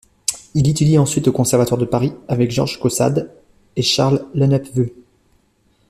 Il étudie ensuite au Conservatoire de Paris avec Georges Caussade et Charles Lenepveu.